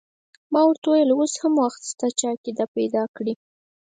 ما ورته وویل اوس هم وخت شته چې عقیده پیدا کړې.